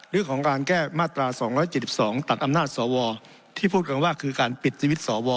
เรื่องของการแก้มาตราสองร้อยเจ็บสองตัดอำนาจสอวอที่พูดกันว่าคือการปิดชีวิตสอวอ